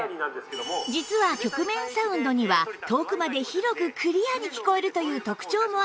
実は曲面サウンドには遠くまで広くクリアに聞こえるという特長もあるんです